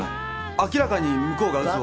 明らかに向こうが嘘を。